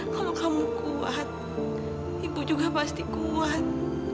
kalau kamu kuat ibu juga pasti kuat